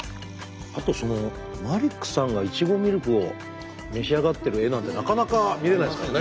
あとマリックさんがいちごミルクを召し上がってる画なんてなかなか見れないですもんね。